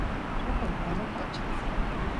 lloqay wyrakachas